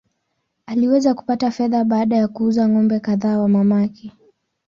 Aliweza kupata fedha baada ya kuuza ng’ombe kadhaa wa mamake.